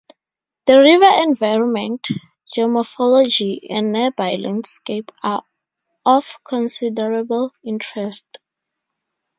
The river environment, geomorphology, and nearby landscape are of considerable interest.